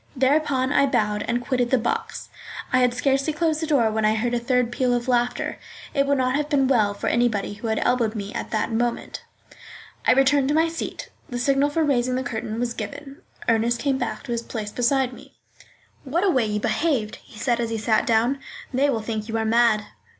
Thereupon I bowed and quitted the box. I had scarcely closed the door when I heard a third peal of laughter. It would not have been well for anybody who had elbowed me at that moment. I returned to my seat. The signal for raising the curtain was given. Ernest came back to his place beside me. "What a way you behaved!" he said, as he sat down. "They will think you are mad."